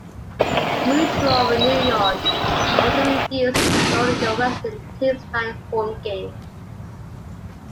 Mutual of New York also refused, owing the western teams nine home games.